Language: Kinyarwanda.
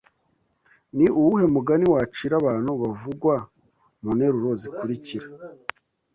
Ni uwuhe mugani wacira abantu bavugwa mu nteruro zikurikira